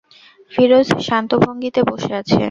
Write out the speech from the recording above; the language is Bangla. ফিরোজ শান্ত ভঙ্গিতে বসে আছে।